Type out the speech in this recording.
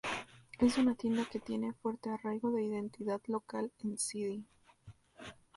Es una tienda que tiene fuerte arraigo de identidad local en Cd.